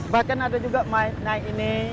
bahkan ada juga naik ini